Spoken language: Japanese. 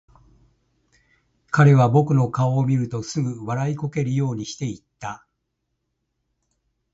彼は僕の顔を見るとすぐ、笑いこけるようにして言った。